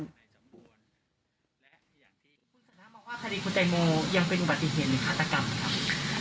คุณสันทนาบอกว่าคดีคุณใจโมยังเป็นอุบัติเหตุหรือฆาตกรรมครับ